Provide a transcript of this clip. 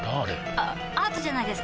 あアートじゃないですか？